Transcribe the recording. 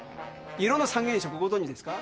色の３原色ご存じですか？